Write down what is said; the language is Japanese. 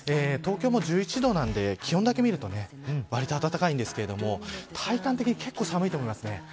東京も１１度なんで気温だけ見るとわりと暖かいんですけど体感的に結構寒いと思います。